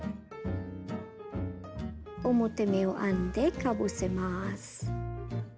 表目を編んでかぶせます。